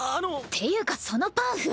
っていうかそのパンフ！